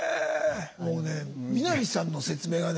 もうね南さんの説明がね